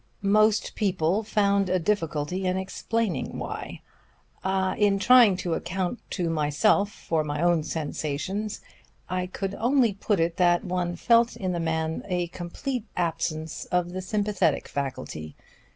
"Most people found a difficulty in explaining why. In trying to account to myself for my own sensations, I could only put it that one felt in the man a complete absence of the sympathetic faculty.